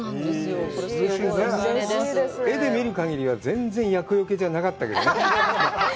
絵で見る限りは全然厄よけじゃなかったけどね。